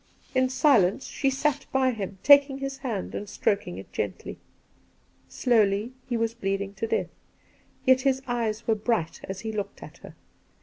In silence she sat by him, taking his hand and stroking it gently. Slowly he was bleeding to death, yet his eyes were bright as he looked at her.